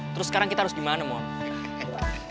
terus sekarang kita harus gimana mon